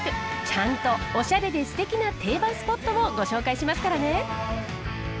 ちゃんとおしゃれですてきな定番スポットもご紹介しますからね！